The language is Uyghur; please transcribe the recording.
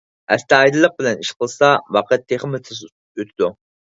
ئەستايىدىللىق بىلەن ئىش قىلسا، ۋاقىت تېخىمۇ تېز ئۆتىدۇ.